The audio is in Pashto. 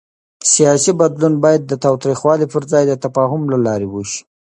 سیاسي بدلون باید د تاوتریخوالي پر ځای د تفاهم له لارې وشي